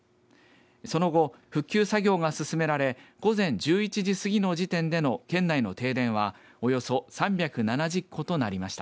その後、復旧作業が進められ午前１１時過ぎの時点での県内の停電は、およそ３７０戸となりました。